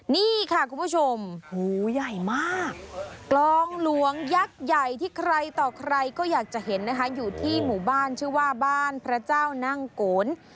นี่ค่ะคุณผู้ชมหูใหญ่มากกลองหลวงยักษ์ใหญ่ที่ใครต่อใครก็อยากจะเห็นนะคะอยู่ที่หมู่บ้านชื่อว่าบ้านพระเจ้านั่งโกน